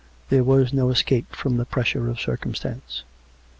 There was no escape from the pressure of circum stance.